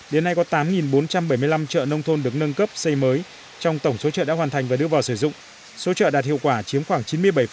đến nay có tám bốn trăm bảy mươi năm chợ nông thôn được nâng cấp xây mới trong tổng số chợ đã hoàn thành và đưa vào sử dụng số chợ đạt hiệu quả chiếm khoảng chín mươi bảy